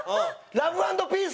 ラブ＆ピース？